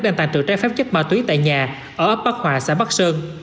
đang tàn trữ trái phép chất ma túy tại nhà ở ấp bắc hòa xã bắc sơn